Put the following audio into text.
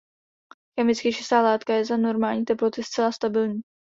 Chemicky čistá látka je za normální teploty zcela stabilní.